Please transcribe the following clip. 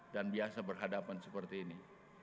dan biasa berhadapan seperti ini